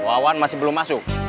wawan masih belum masuk